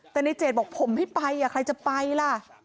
แต่นิเจศบอกผมไม่ไปอะใครจะไปล่ะ